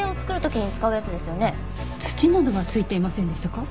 土などは付いていませんでしたか？